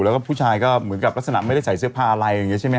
แล้วผู้ชายเหมือนกับลักษณะไม่ได้ใส่เสื้อผ้าอะไร